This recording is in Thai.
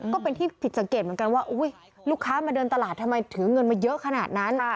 ก็เป็นที่ผิดสังเกตเหมือนกันว่าลูกค้ามาเดินตลาดทำไมถือเงินมาเยอะขนาดนั้น